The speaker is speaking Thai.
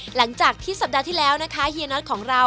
หลังจากที่สัปดาห์ที่แล้วนะคะเฮียน็อตของเรา